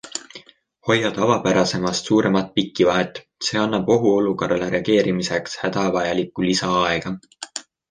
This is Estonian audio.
Hoia tavapärasemast suuremat pikivahet, see annab ohuolukorrale reageerimiseks hädavajalikku lisaaega.